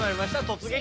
「突撃！